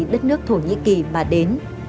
đất nước thổ nhĩ kỳ mà đến